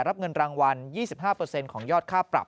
รับเงินรางวัล๒๕เปอร์เซ็นต์ของยอดค่าปรับ